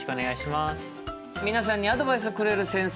皆さんにアドバイスをくれる先生